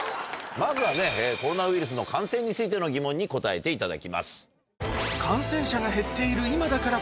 まずはコロナウイルスの感染についての疑問に答えていただきます。